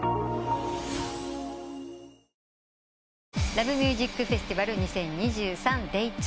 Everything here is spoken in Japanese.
「ＬＯＶＥＭＵＳＩＣＦＥＳＴＩＶＡＬ２０２３」ＤＡＹ２。